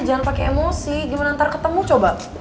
jangan pakai emosi gimana ntar ketemu coba